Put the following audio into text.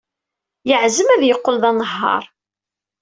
Yeɛzem ad yeqqel d anehhaṛ.